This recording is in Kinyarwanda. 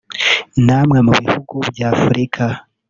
namwe bihugu by’ Afurika